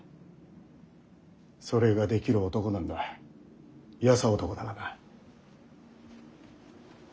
それができる男なんだ優男だがな。